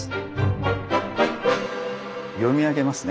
読み上げますね。